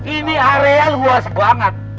ini areal huas banget